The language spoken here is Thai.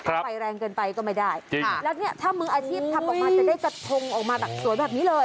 ถ้าไฟแรงเกินไปก็ไม่ได้ค่ะแล้วเนี่ยถ้ามืออาชีพทำออกมาจะได้กระทงออกมาแบบสวยแบบนี้เลย